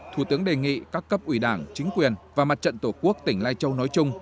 thủ tướng đề nghị các cấp ủy đảng chính quyền và mặt trận tổ quốc tỉnh lai châu nói chung